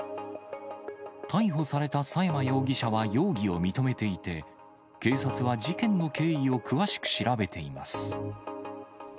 逮捕された佐山容疑者は容疑を認めていて、警察は事件の経緯を詳しく調べています。